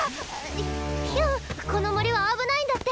ヒュンこの森は危ないんだって。